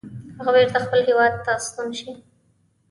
هغه بیرته خپل هیواد ته ستون شي.